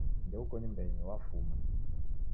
Ndeuko nyumbenyi, wafuma